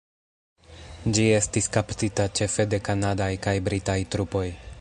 Ĝi estis kaptita ĉefe de kanadaj kaj britaj trupoj.